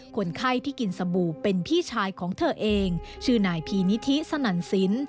คนไข้ที่กินสบู่เป็นพี่ชายของเธอเองชื่อนายพีนิธิสนั่นสิน